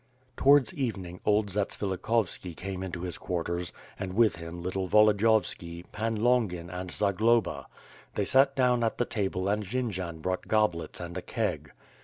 Towards evening, old Zatsvilikhovski came into his quar ters, and with him, little Volodiyovski, Pan Longin and Za globa. They sat down at the table and Jendzian brought goblets and a keg.